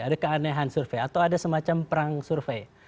ada keanehan survei atau ada semacam perang survei